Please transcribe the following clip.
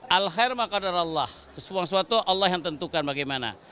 al hermah kadarallah kesemua suatu allah yang tentukan bagaimana